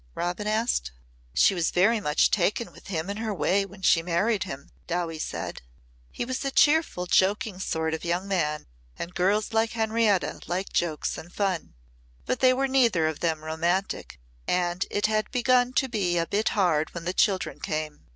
Robin asked. "She was very much taken with him in her way when she married him," Dowie said. "He was a cheerful, joking sort of young man and girls like Henrietta like jokes and fun. But they were neither of them romantic and it had begun to be a bit hard when the children came.